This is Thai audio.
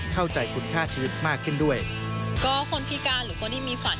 เข้าใจคุณค่าชีวิตมากขึ้นด้วยก็คนพิการหรือคนที่มีฝัน